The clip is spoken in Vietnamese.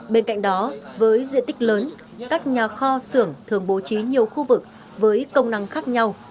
bên cạnh đó với diện tích lớn các nhà kho xưởng thường bố trí nhiều khu vực với công năng khác nhau